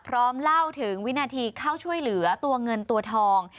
เล่าถึงวินาทีเข้าช่วยเหลือตัวเงินตัวทอง